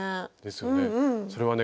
それはね